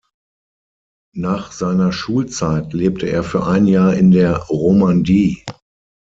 Nach seiner Schulzeit lebte er für ein Jahr in der Romandie.